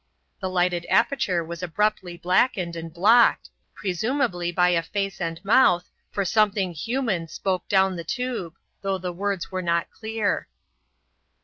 The lighted aperture was abruptly blackened and blocked, presumably by a face and mouth, for something human spoke down the tube, though the words were not clear.